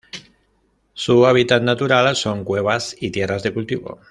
Su hábitat natural son: Cuevas y tierras de cultivo.